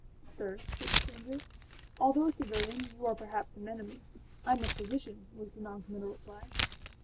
âSir,â said the stranger, âalthough a civilian, you are perhaps an enemy.â âI am a physician,â was the non committal reply.